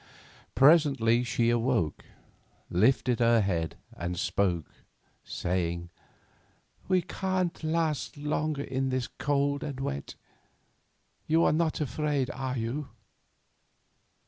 Presently she awoke, lifted her head, and spoke, saying: "We can't last much longer in this cold and wet. You are not afraid, are you?"